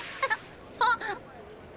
あっ！？